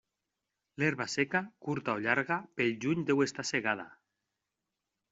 L'herba seca, curta o llarga, pel juny deu estar segada.